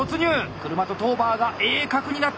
車とトーバーが鋭角になっている。